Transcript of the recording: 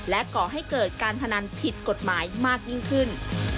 ก่อให้เกิดการพนันผิดกฎหมายมากยิ่งขึ้น